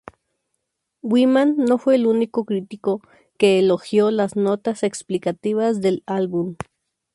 Wyman no fue el único crítico que elogió las notas explicativas del álbum.